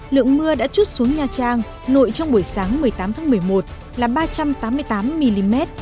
lượng mưa đã chút xuống nha trang nội trong buổi sáng một mươi tám tháng một mươi một là ba trăm tám mươi tám mm